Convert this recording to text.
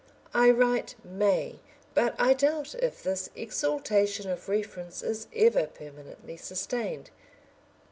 I write "may," but I doubt if this exaltation of reference is ever permanently sustained.